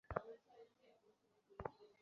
কারণ এটা প্রচণ্ড অর্থহীন।